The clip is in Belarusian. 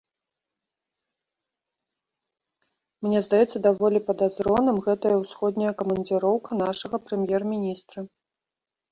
Мне здаецца даволі падазроным гэтая ўсходняя камандзіроўка нашага прэм'ер-міністра.